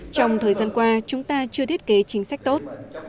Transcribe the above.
trong thời gian qua chúng ta chưa thiết kế chính sách tốt